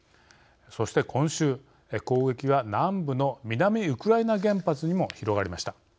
そして今週、攻撃は南部の南ウクライナ原発にも広がりました。